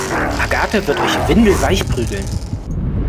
Agathe wird euch windelweich prügeln!